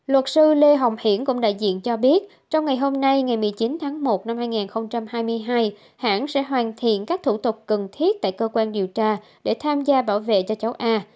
luật sư lê hồng hiển cùng đại diện cho biết trong ngày hôm nay ngày một mươi chín tháng một năm hai nghìn hai mươi hai hãng sẽ hoàn thiện các thủ tục cần thiết tại cơ quan điều tra để tham gia bảo vệ cho cháu a